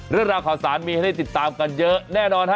เรื่องราวข่าวสารมีให้ได้ติดตามกันเยอะแน่นอนฮะ